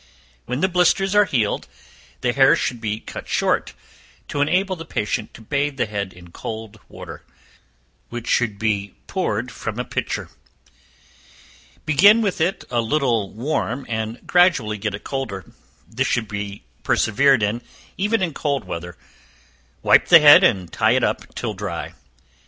When the blisters are healed, the hair should be cut short, to enable the patient to bathe the head in cold water, which should be poured from a pitcher; begin with it a little warm and gradually get it colder; this should be persevered in, even in cold weather; wipe the head and tie it up till dry.